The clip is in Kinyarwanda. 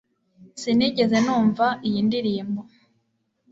sinigeze numva iyi ndirimbo